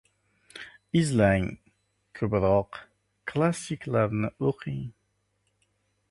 Izlaning, ko‘proq klassiklarni o‘qing.